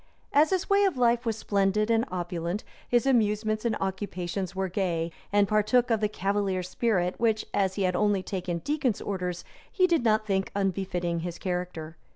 As his way of life was splendid and opulent, his amusements and occupations were gay, and partook of the cavalier spirit, which, as he had only taken deacon's orders, he did not think unbefitting his character.